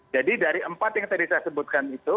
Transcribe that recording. dari empat yang tadi saya sebutkan itu